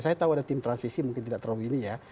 saya tahu ada tim transisi mungkin tidak terlalu ini ya